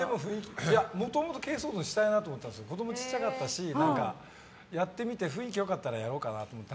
もともと珪藻土にしたいなと思ってたんですけど子供が小さいしやってみて雰囲気が良かったらやろうかなと思って。